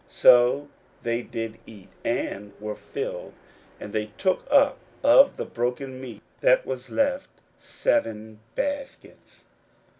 41:008:008 So they did eat, and were filled: and they took up of the broken meat that was left seven baskets.